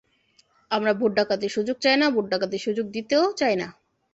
আমরা ভোট ডাকাতির সুযোগ চাই না, ভোট ডাকাতির সুযোগ দিতেও চাই না।